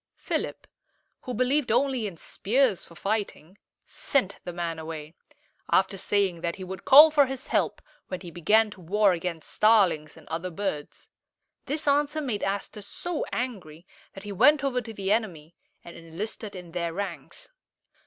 Philip, who believed only in spears for fighting, sent the man away, after saying that he would call for his help when he began to war against starlings and other birds. This answer made Aster so angry that he went over to the enemy and enlisted in their ranks.